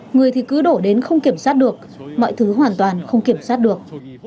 người thì cứ đổ đến không kiểm soát được mọi thứ hoàn toàn không kiểm soát được